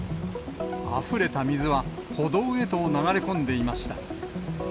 あふれた水は歩道へと流れ込んでいました。